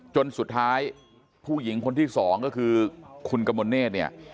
จนสุดท้ายผู้หญิงคนที่สองก็คือคุณกมลเนธเนี่ย